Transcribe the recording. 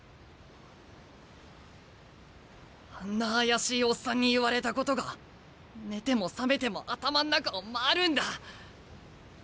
あんな怪しいオッサンに言われたことが寝ても覚めても頭ん中を回るんだ。